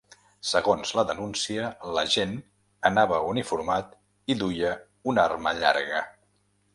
Segons la denúncia, l’agent anava uniformat i duia una arma llarga.